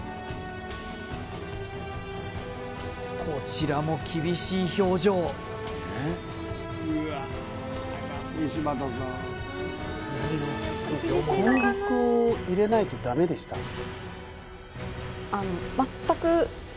こちらも厳しい表情小麦粉を入れないとダメでした？